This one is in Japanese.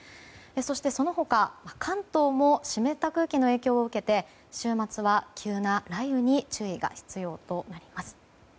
そして、その他関東も湿った空気の影響を受けて週末は急な雷雨に注意が必要となります。